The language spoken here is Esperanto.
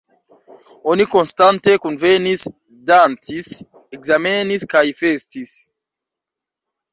Oni konstante kunvenis, dancis, ekzamenis kaj festis.